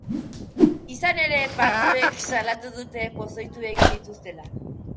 Izan ere, batzuek salatu dute pozoitu egin dituztela.